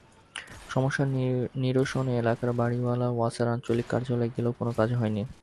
সমস্যা নিরসনে এলাকার বাড়িওয়ালারা ওয়াসার আঞ্চলিক কার্যালয়ে গেলেও কোনো কাজ হয়নি।